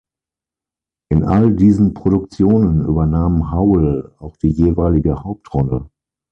In all diesen Produktionen übernahm Howell auch die jeweilige Hauptrolle.